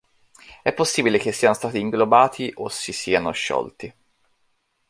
È possibile che siano stati inglobati o si siano sciolti.